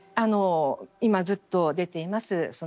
今ずっと出ています